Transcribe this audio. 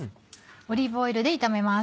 オリーブオイルで炒めます。